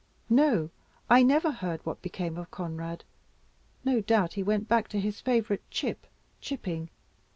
"No, I never heard what became of Conrad. No doubt he went back to his favourite chip, chipping.